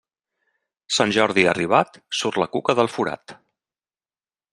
Sant Jordi arribat, surt la cuca del forat.